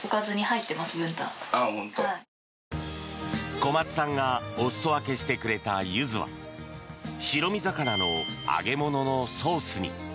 小松さんがお裾分けしてくれたユズは白身魚の揚げ物のソースに。